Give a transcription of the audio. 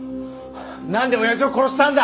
なんで親父を殺したんだ？